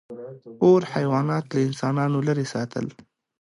• اور حیوانات له انسانانو لرې ساتل.